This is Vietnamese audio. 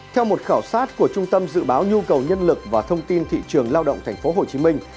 theo một khảo sát của trung tâm dự báo nhu cầu nhân lực và thông tin thị trường lao động tp hcm